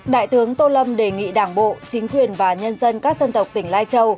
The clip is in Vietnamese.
đại tướng tô lâm đề nghị đảng bộ chính quyền và nhân dân các dân tộc tỉnh lai châu